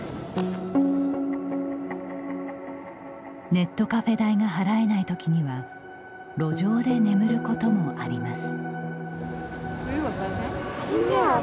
ネットカフェ代が払えないときには路上で眠ることもあります。